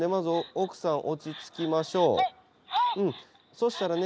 そしたらね